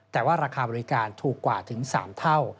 แต่ว่าราคาบริการถูกกว่าถึง๓เท่า